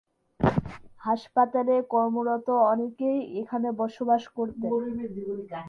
হাসপাতালে কর্মরত অনেকেই এখানে বসবাস করতেন।